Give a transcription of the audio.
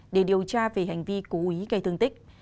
để điều tra về hành vi cố ý gây thương tích